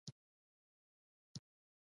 بابر پر کابل مین و او دلته یې ماڼۍ ودانه کړه.